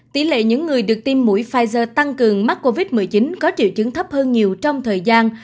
tỷ lệ những người được tiêm mũi pfizer tăng cường mắc covid một mươi chín có triệu chứng thấp hơn nhiều trong thời gian